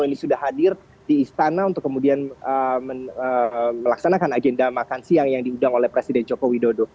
ini sudah hadir di istana untuk kemudian melaksanakan agenda makan siang yang diundang oleh presiden joko widodo